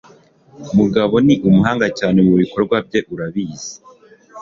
Mugabo ni umuhanga cyane mubikorwa bye, urabizi.